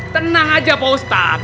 tenang aja pak ustaz